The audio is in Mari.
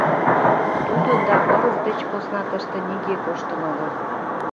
Тудо да пырыс деч посна тыште нигӧ коштын огыл.